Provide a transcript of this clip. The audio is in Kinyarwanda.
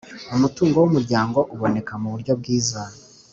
Umutungo w Umuryango uboneka mu buryo bwiza